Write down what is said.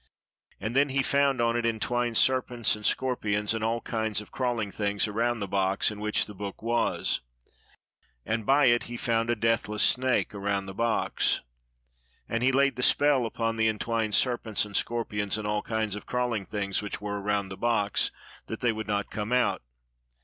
And then he found on it entwined serpents and scorpions, and all kinds of crawling things around the box in which the book was; and by it he found a death less snake around the box. And he laid the spell upon the entwined serpents and scorpions and all kinds of crawling things which were around the box, that they would not come out.